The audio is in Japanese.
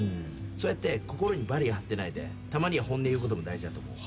そうやって心にバリアー張ってないでたまには本音言うことも大事だと思う。